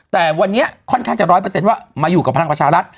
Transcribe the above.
แต่วันนี้ค่อนข้างจะ๑๐๐ว่ามาอยู่กับพลังประชารัฐ